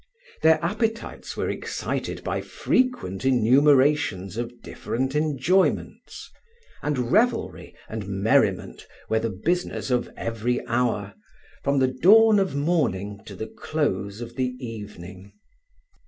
Their appetites were excited by frequent enumerations of different enjoyments, and revelry and merriment were the business of every hour, from the dawn of morning to the close of the evening.